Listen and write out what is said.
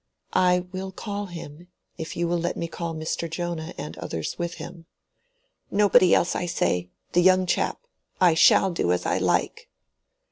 "I will call him, if you will let me call Mr. Jonah and others with him." "Nobody else, I say. The young chap. I shall do as I like."